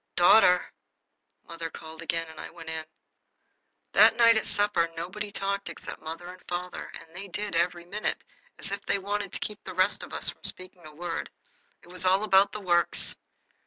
"Daughter!" mother called again, and I went in. That night at supper nobody talked except father and mother, and they did every minute, as if they wanted to keep the rest of us from speaking a word. It was all about the Works.